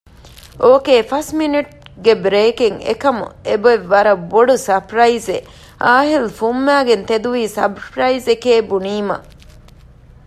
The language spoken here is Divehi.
އޯކޭ ފަސް މިނެޓުގެ ބްރޭކެއް އެކަމް އެބޮތް ވަރަށް ބޮޑު ސަޕްރައިޒެއް އާހިލް ފުންމައިގެން ތެދުވީ ސަޕްރައިޒެކޭ ބުނީމަ